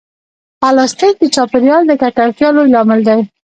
پلاستيک د چاپېریال د ککړتیا لوی لامل دی.